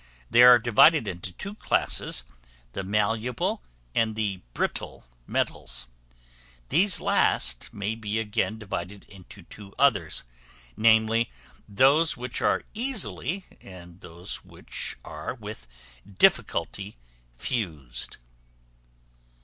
They are divided into two classes, the malleable and the brittle metals. These last may be again divided into two others, namely, those which are easily, and those which are with difficulty fused.